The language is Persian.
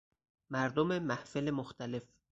مردم محفل مختلف